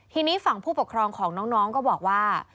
ทีนี้ฝั่งผู้ปกครองของน้องก็บอกว่า